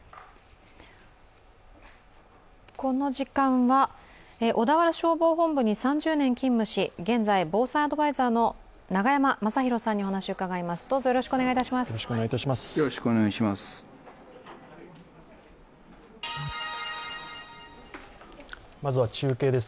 この時間は小田原市消防本部に３０年勤務し現在、防災アドバイザーの永山政広さんにお話を伺います。